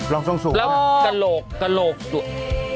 ลองส่งสูงโอ้โฮแล้วกะโหลกสุด